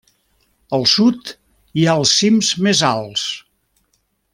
Al sud hi ha els cims més alts.